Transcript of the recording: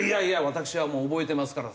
私はもう覚えてますから。